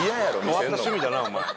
変わった趣味だなお前。